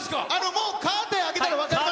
もうカーテン開けたら分かります。